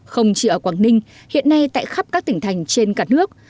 không chỉ ở quảng ninh hiện nay tại khắp các tỉnh thành trên cả nước